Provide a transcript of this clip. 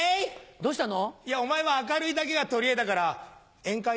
どうしたの？